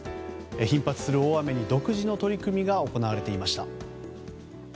頻発する大雨に独自の取り組みが行われていました。